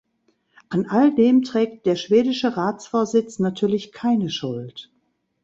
An all dem trägt der schwedische Ratsvorsitz natürlich keine Schuld.